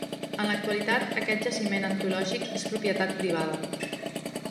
En l'actualitat aquest jaciment arqueològic és propietat privada.